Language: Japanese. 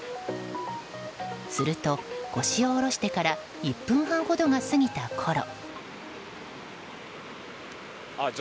すると、腰を下ろしてから１分半ほどが過ぎたころ。